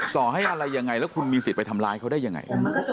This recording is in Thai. ต่อให้อะไรยังไงแล้วคุณมีสิทธิ์ไปทำร้ายเขาได้ยังไง